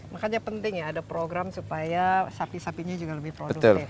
makanya penting ya ada program supaya sapi sapinya juga lebih produktif